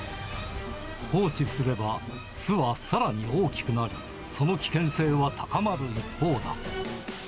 放置すれば巣はさらに大きくなり、その危険性は高まる一方だ。